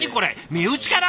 身内から！？